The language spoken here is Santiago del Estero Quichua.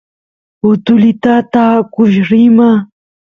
utulitata akush rima